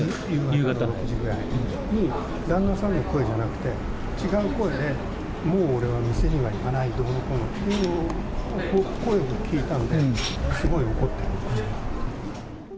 夕方６時ぐらいに、旦那さんの声じゃなくて、違う声で、もう俺は店には行かないどうのこうのっていう声を聞いたんで、すごい怒ってる口調だった。